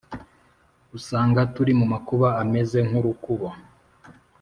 Usanga turi mu makuba ameze nk'urukubo,